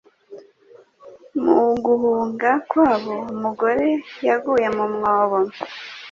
mu guhunga kwabo umugore yaguye mu mwobo